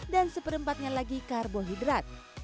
dan seperempatnya lagi karbohidrat